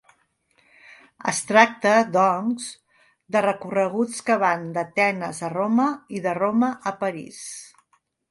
Es tracta, doncs, de recorreguts que van d'Atenes a Roma i de Roma a París.